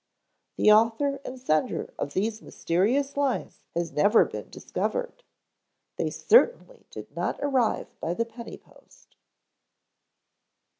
The author and sender of these mysterious lines has never been discovered. They certainly did not arrive by the penny post.